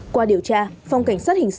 qua điều tra phòng cảnh sát hình sát